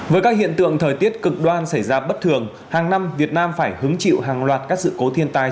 với các hiện tượng thời tiết cực đoan xảy ra bất thường hàng năm việt nam phải hứng chịu hàng loạt các sự cố thiên tai